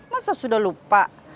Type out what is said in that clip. masa sudah lupa